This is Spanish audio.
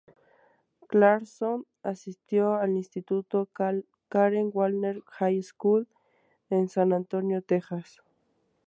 Clarkson asistió al instituto "Karen Wagner High School" en San Antonio, Texas.